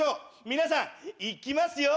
みなさんいきますよ。